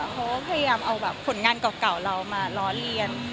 เค้าพยายามเอาคลุณงานก่อเรามาร้อนเรียน